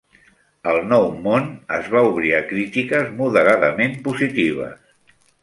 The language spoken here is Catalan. "El nou món" es va obrir a crítiques moderadament positives.